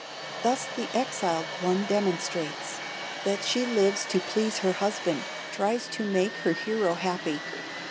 Thus the exiled one demonstrates That she lives to please her husband, Tries to make her hero happy.